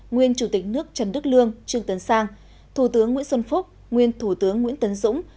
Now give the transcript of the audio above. nguyên chủ tịch nước trần đức lương trương tấn sang thủ tướng nguyễn xuân phúc nguyên thủ tướng nguyễn tấn dũng